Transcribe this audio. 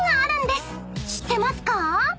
［知ってますか？］